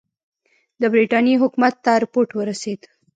د برټانیې حکومت ته رپوټ ورسېد.